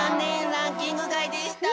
ランキングがいでした。